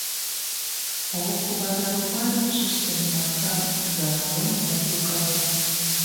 Obukuubagano bwali bususse mu maka gaabwe n'addukayo.